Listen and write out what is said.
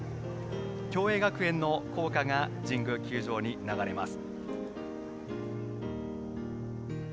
共栄学園の校歌が神宮球場に流れます。